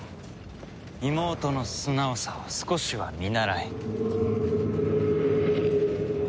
妹の素直さを少しは見習え。